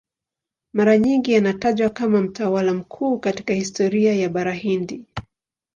Mara nyingi anatajwa kama mtawala mkuu katika historia ya Bara Hindi.